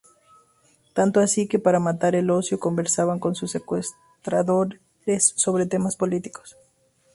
Tanto así, que para matar el ocio conversaba con sus secuestradores sobre temas políticos.